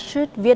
để cho họ biết